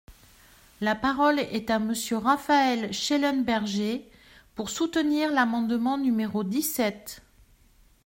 La parole est à Monsieur Raphaël Schellenberger, pour soutenir l’amendement numéro dix-sept.